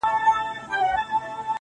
ژونده د څو انجونو يار يم، راته ووايه نو.